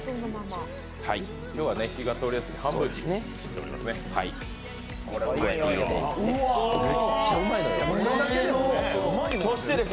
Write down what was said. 今日は火が通りやすいように半分に切ってますね。